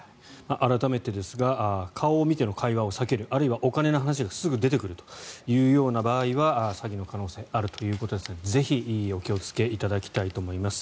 改めてですが顔を見ての会話を避けるあるいは、お金の話がすぐ出てくるというような場合は詐欺の可能性あるということですのでぜひ、お気をつけいただきたいと思います。